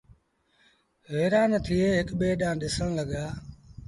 هيرآن ٿئي هڪ ٻي ڏآنٚهنٚ ڏسڻ لڳآ